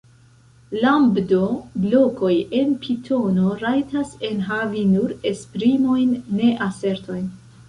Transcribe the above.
Lambdo-blokoj en Pitono rajtas enhavi nur esprimojn, ne asertojn.